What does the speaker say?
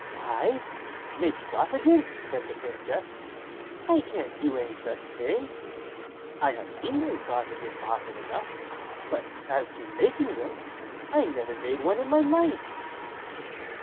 "I make sausages!" said the Princess; "I can't do any such thing. I have eaten sausages often enough; but as to making them, I never made one in my life."